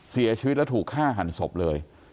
เสียชีวิตแล้วถูกฆ่าหันศพเลย